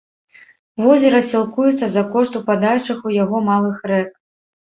Возера сілкуецца за кошт упадаючых у яго малых рэк.